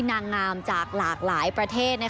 นางงามจากหลากหลายประเทศ